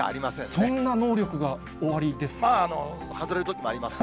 そんな能力がおありですか？